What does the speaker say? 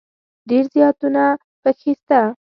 ډېر زياتونه پکښي سته.